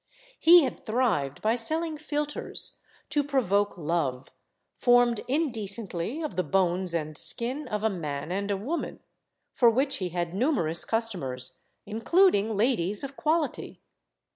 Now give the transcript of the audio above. He had thrived by selling philtres to provoke love, formed indecently of the bones and skin of a man and a woman, for which he had numerous customers, including ladies of quality.